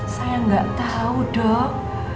saya gak tahu dok